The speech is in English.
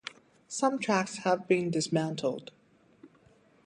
Some tracks have been dismantled.